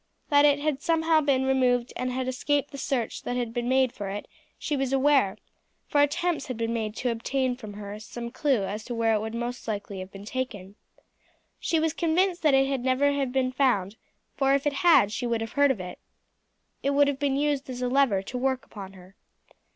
That it had somehow been removed and had escaped the search that had been made for it she was aware; for attempts had been made to obtain from her some clue as to where it would most likely have been taken. She was convinced that it had never been found, for if it had she would have heard of it. It would have been used as a lever to work upon her.